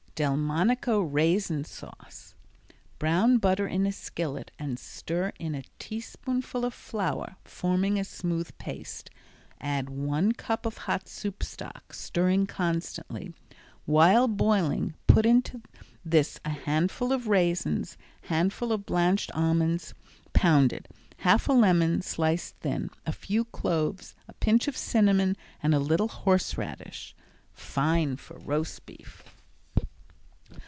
Delmonico Raisin Sauce Brown butter in a skillet and stir in a teaspoonful of flour, forming a smooth paste. Add one cup of hot soup stock, stirring constantly. While boiling put into this a handful of raisins, handful of blanched almonds, pounded, half a lemon, sliced thin, a few cloves, a pinch of cinnamon, and a little horseradish. Fine for roast beef.